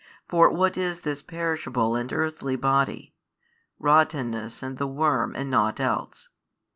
For what is this perishable and earthly body? rottenness and the worm and nought else.